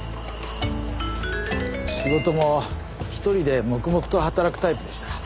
仕事も１人でもくもくと働くタイプでした。